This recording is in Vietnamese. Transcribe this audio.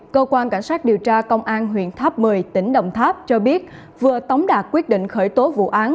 cảnh sát điều tra công an huyện tháp mười tỉnh đồng tháp cho biết vừa tống đạt quyết định khởi tố vụ án